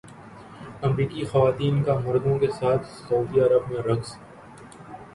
امریکی خواتین کا مردوں کے ساتھ سعودی عرب میں رقص